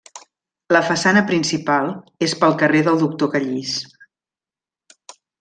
La façana principal és pel carrer del Doctor Callís.